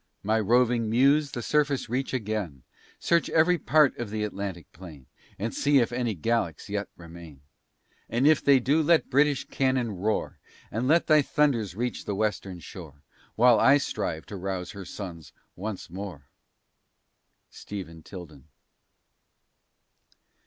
My roving muse the surface reach again, Search every part of the Atlantic plain, And see if any Gallics yet remain; And if they do, let British cannon roar; And let thy thunders reach the western shore. While I shall strive to rouse her sons once more. STEPHEN TILDEN.